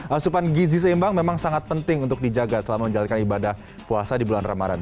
asupan gizi seimbang memang sangat penting untuk dijaga selama menjalankan ibadah puasa di bulan ramadan